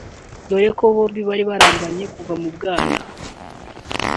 dore ko bombi bari barabanye kuva mu bwana